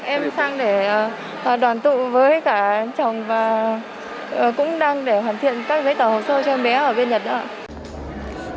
em sang để đoàn tụ với cả chồng và cũng đang để hoàn thiện các giấy tờ hồ sơ cho em bé ở bên nhật